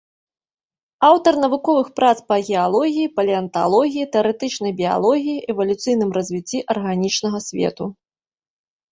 Аўтар навуковых прац па геалогіі, палеанталогіі, тэарэтычнай біялогіі, эвалюцыйным развіцці арганічнага свету.